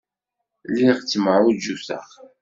Lliɣ ttemɛujjuteɣ.